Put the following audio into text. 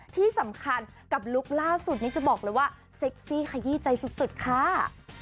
ที่สำคัญกับลุคล่าสุดนี้จะบอกเลยว่าเซ็กซี่ขยี้ใจสุดค่ะ